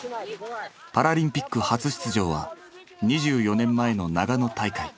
パラリンピック初出場は２４年前の長野大会。